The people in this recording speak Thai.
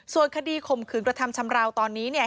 ส่วนคดีข่มขืนกระทำชำราวตอนนี้เนี่ย